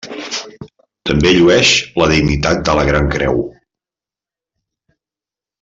També llueix la dignitat de Gran Creu.